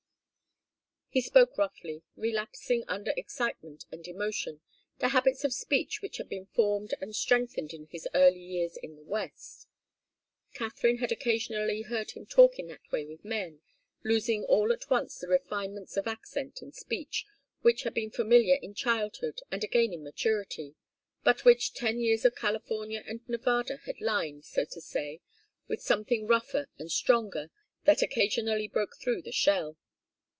He spoke roughly, relapsing under excitement and emotion to habits of speech which had been formed and strengthened in his early years in the West. Katharine had occasionally heard him talk in that way with men, losing all at once the refinements of accent and speech which had been familiar in childhood and again in maturity, but which ten years of California and Nevada had lined, so to say, with something rougher and stronger that occasionally broke through the shell.